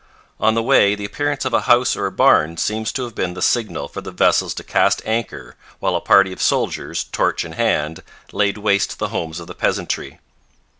On the way the appearance of a house or a barn seems to have been the signal for the vessels to cast anchor, while a party of soldiers, torch in hand, laid waste the homes of the peasantry.